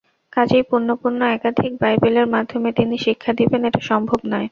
কাজেই পুনঃপুন একাধিক বাইবেলের মাধ্যমে তিনি শিক্ষা দেবেন, এটা সম্ভব নয়।